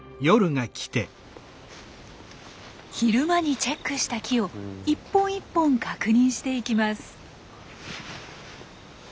昼間にチェックした木を一本一本確認していきます。